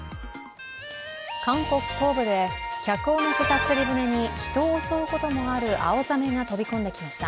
韓国東部で客を乗せた釣り船に人を襲うこともあるアオザメが飛び込んできました。